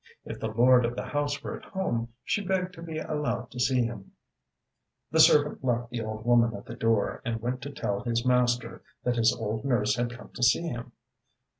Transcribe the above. If the lord of the house were at home she begged to be allowed to see him. The servant left the old woman at the door and went to tell his master that his old nurse had come to see him.